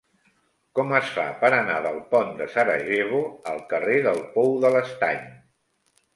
Com es fa per anar del pont de Sarajevo al carrer del Pou de l'Estany?